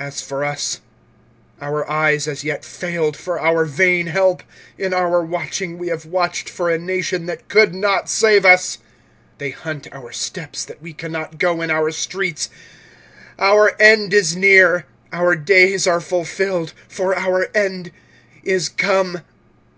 25:004:017 As for us, our eyes as yet failed for our vain help: in our watching we have watched for a nation that could not save us. 25:004:018 They hunt our steps, that we cannot go in our streets: our end is near, our days are fulfilled; for our end is come.